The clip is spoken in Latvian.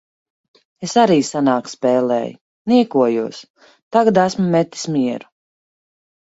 Es arī senāk spēlēju. Niekojos. Tagad esmu metis mieru.